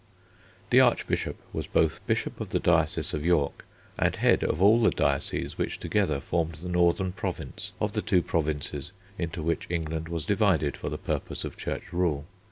The Archbishop was both bishop of the diocese of York, and head of all the dioceses which together formed the Northern Province of the two provinces into which England was divided for the purpose of Church rule.